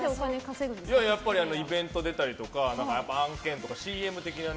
イベントに出たりとか案件とかＣＭ的なね。